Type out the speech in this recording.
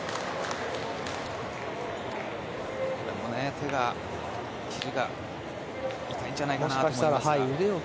手が、ひじが痛いんじゃないかなと思いますが。